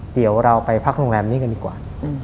เดี๋ยวเราไปพักโรงแรมนี้กันดีกว่า